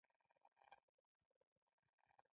د ليک لیکل احمد ته ور پر غاړه کړل شول.